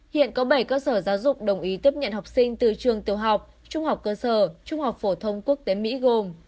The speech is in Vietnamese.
hiện có bảy cơ sở giáo dục đồng ý tiếp nhận học sinh từ trường tiểu học trung học cơ sở trung học phổ thông quốc tế mỹ gồm